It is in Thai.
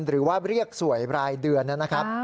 หรือว่าเรียกสวยรายเดือนนะครับ